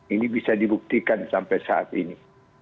ini bisa dibuktikan sampai saat ini